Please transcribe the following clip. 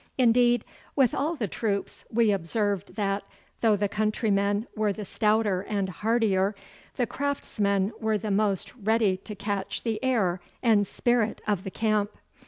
Indeed, with all the troops, we observed that, though the countrymen were the stouter and heartier, the craftsmen were the most ready to catch the air and spirit of the camp.